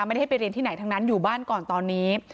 ไม่ได้ให้ไปเรียนที่ไหนทั้งนั้นอยู่บ้านก่อนตอนนี้